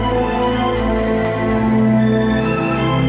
pak prabu sudah sadar